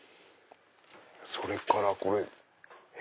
それからこれ。